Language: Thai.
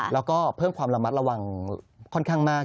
แล้วก็เพิ่มความระมัดระวังค่อนข้างมาก